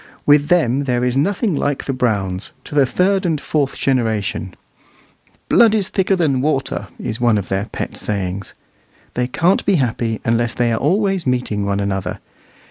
With them there is nothing like the Browns, to the third and fourth generation. "Blood is thicker than water," is one of their pet sayings. They can't be happy unless they are always meeting one another.